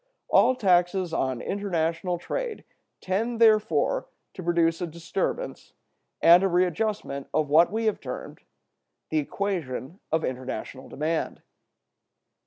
All taxes on international trade tend, therefore, to produce a disturbance, and a readjustment of what we have termed the equation of international demand.